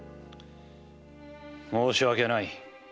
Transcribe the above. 申し訳ない。